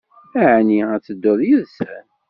Ɛni ad tedduḍ yid-sen?